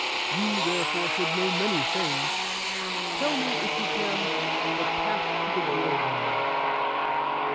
You therefore should know many things. Tell me, if you can, the path to the Gorgon.